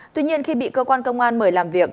tuy nhiên khi bị cơ quan công an mời làm việc